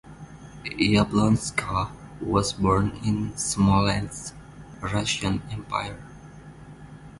Yablonska was born in Smolensk, Russian Empire.